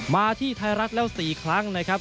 มาที่ไทยรัฐแล้ว๔ครั้งนะครับ